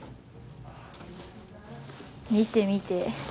見て見て。